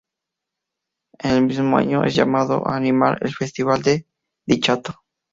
En el mismo año es llamada a animar el Festival de Dichato.